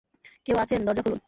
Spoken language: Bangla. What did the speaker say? কেউ আছেন, দরজা খুলুন।